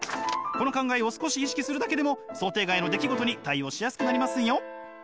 この考えを少し意識するだけでも想定外の出来事に対応しやすくなりますよ！